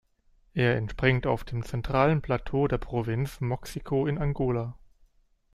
Er entspringt auf dem zentralen Plateau der Provinz Moxico in Angola.